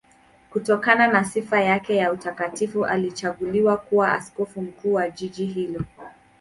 Kutokana na sifa yake ya utakatifu alichaguliwa kuwa askofu mkuu wa jiji hilo.